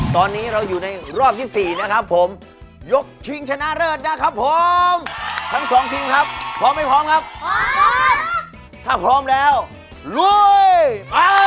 ตอนนี้เราอยู่ในรอบที่๔นะครับผมยกชิงชนะเลิศนะครับผมทั้งสองทีมครับพร้อมไม่พร้อมครับพร้อมถ้าพร้อมแล้วลุยไป